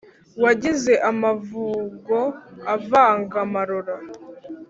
wagize amavugo uvanga amarora,